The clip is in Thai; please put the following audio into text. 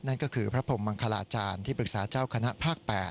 นั่นก็คือพระพรมมังคลาจารย์ที่ปรึกษาเจ้าคณะภาค๘